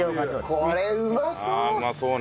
これうまそう！